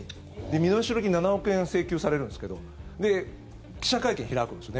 身代金７億円請求されるんですけど記者会見開くんですよね